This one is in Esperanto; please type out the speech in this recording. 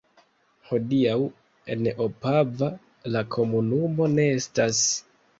Hodiaŭ en Opava la komunumo ne estas.